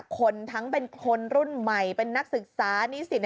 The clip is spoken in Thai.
คนทั้งเป็นคนรุ่นใหม่เป็นนักศึกษานิสิต